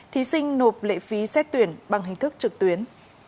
thí sinh nộp lệ phí xét tuyển bằng hình thức trực tuyến